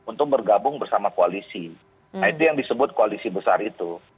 nah itu yang disebut koalisi besar itu